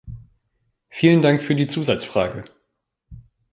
Vielen Dank für die Zusatzfrage.